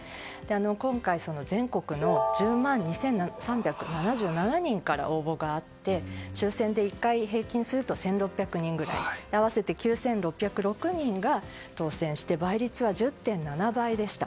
今回全国の１０万２３７７人から応募があって、抽選で１回平均すると１６００人ぐらい合わせて９６０６人が当選して倍率は１０．７倍でした。